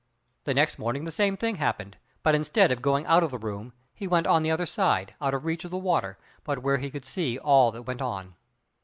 The next morning the same thing happened; but instead of going out of the room, he went on the other side, out of reach of the water, but where he could see all that went on.